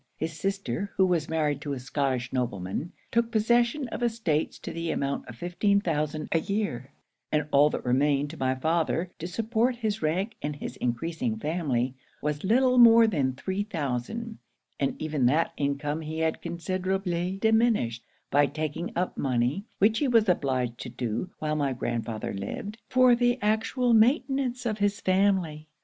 His sister, who was married to a Scottish nobleman, took possession of estates to the amount of fifteen thousand a year; and all that remained to my father, to support his rank and his encreasing family, was little more than three thousand; and even that income he had considerably diminished, by taking up money, which he was obliged to do while my grandfather lived, for the actual maintenance of his family.